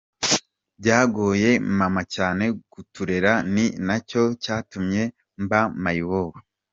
Byagoye mama cyane kuturera, ni nacyo cyatumye mba mayibobo.